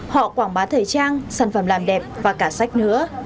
họ quảng bá thời trang sản phẩm làm đẹp và cả sách nữa